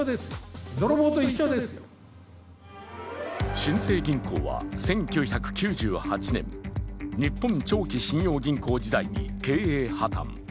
新生銀行は１９９８年日本長期信用銀行時代に経営破綻。